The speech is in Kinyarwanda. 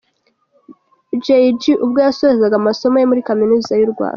Jay G ubwo yasozaga amasomo ye muri Kaminuza y'u Rwanda.